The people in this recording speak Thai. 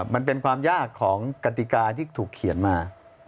มันเป็นความยากของกติกาที่ถูกเขียนมา